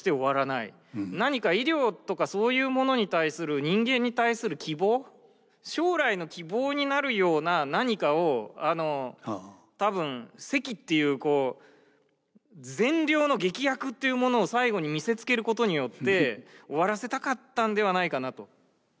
何か医療とかそういうものに対する人間に対する希望将来の希望になるような何かを多分関っていう善良の劇薬っていうものを最後に見せつけることによって終わらせたかったんではないかなと。